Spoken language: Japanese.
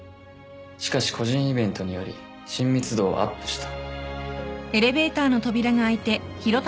しかし個人イベントにより親密度をアップした。